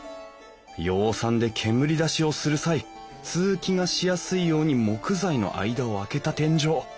養蚕で煙出しをする際通気がしやすいように木材の間をあけた天井。